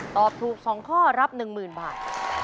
ตอบถูก๒ข้อรับ๑๐๐๐บาท